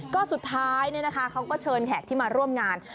ก็สุดท้ายเขาก็เชิญแขกที่มาร่วมงาน